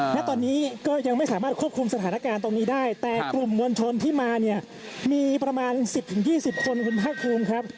ณตอนนี้ก็ยังไม่สามารถควบคุมสถานการณ์ตรงนี้ได้แต่กลุ่มมวลชนที่มาเนี่ยมีประมาณ๑๐๒๐คนคุณภาคภูมิครับ